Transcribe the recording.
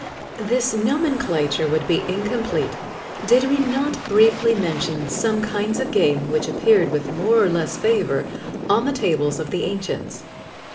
[XX 104] This nomenclature would be incomplete, did we not briefly mention some kinds of game which appeared with more or less favour on the tables of the ancients.